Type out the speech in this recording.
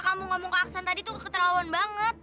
sampai jumpa di video selanjutnya